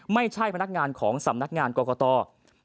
ไม่ใช่พนักงานของสำนักงานกรกต